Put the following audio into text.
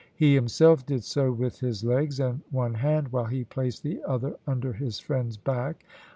He himself did so with his legs and one hand, while he placed the other under his friend's back.